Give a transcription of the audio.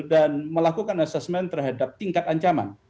dan melakukan asesmen terhadap tingkat ancaman